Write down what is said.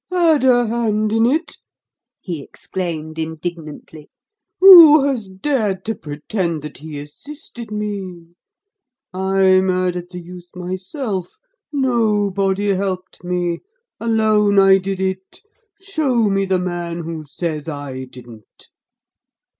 "Had a hand in it!" he exclaimed indignantly. "Who has dared to pretend that he assisted me? I murdered the youth myself. Nobody helped me. Alone I did it. Show me the man who says I didn't."